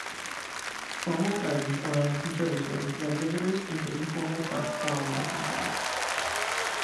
Formal gardens around the conservatory led visitors into informal park along walking paths.